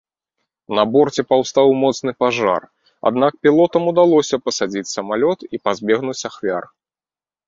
На борце паўстаў моцны пажар, аднак пілотам удалося пасадзіць самалёт і пазбегнуць ахвяр.